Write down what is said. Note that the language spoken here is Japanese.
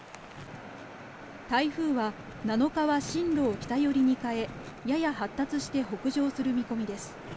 台風は７日は進路を北寄りに変え、やや発達して北上する見込みです。